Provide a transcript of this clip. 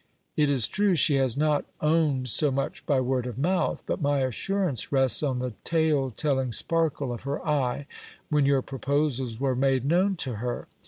It is true, she has not owned so much by word of mouth ; but my assurance rests on the tale telling sparkle of her eye, when your proposals were made known to her.